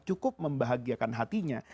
cukup membahagiakan hatinya